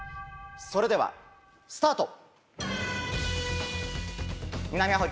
それではスタート。